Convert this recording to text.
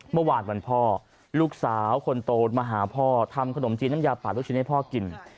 เมื่อวานวันพ่อลูกสาวคนโตมาหาพ่อทำขนมจีนน้ำยาป่าลูกชิ้นให้พ่อกิน